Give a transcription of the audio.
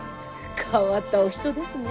変わったお人ですね。